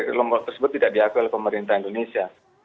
kelompok tersebut tidak diakui oleh pemerintah indonesia